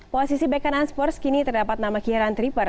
posisi back keren unsports kini terdapat nama kieran tripper